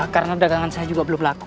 karena dagangan saya juga belum laku